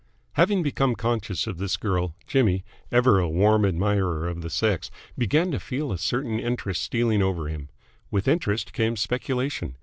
Having become conscious of this girl, Jimmy, ever a warm admirer of the sex, began to feel a certain interest stealing over him. With interest came speculation.